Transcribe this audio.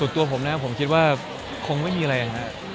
ส่วนตัวผมนะผมคิดว่าคงไม่มีอะไรอย่างเงี้ย